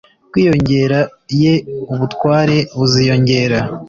Kwiyongera ye ubutware buziyongera